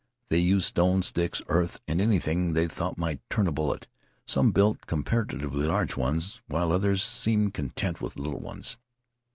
They used stones, sticks, earth, and anything they thought might turn a bullet. Some built comparatively large ones, while others seemed content with little ones.